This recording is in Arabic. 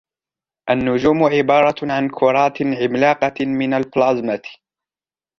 النجوم عبارة عن كرات عملاقة من البلازمة.